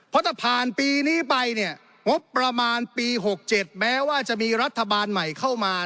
เพราะถ้าผ่านปีนี้ไปเนี่ยงบประมาณปี๖๗แม้ว่าจะมีรัฐบาลใหม่เข้ามา